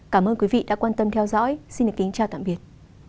cảm ơn quý vị đã quan tâm theo dõi xin kính chào tạm biệt